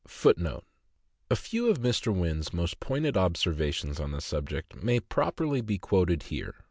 A few of Mr. Wynn's most pointed observations on this subject may properly be quoted here.